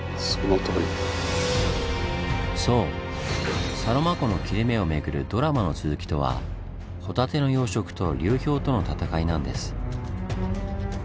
そうサロマ湖の切れ目をめぐるドラマの続きとはホタテの養殖と流氷との戦いなんです。